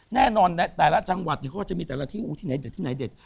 แน่นอนแต่ละจังหวัดเขาก็จะมีแต่ละที่ไหนเด็ดที่ไหนเด็ด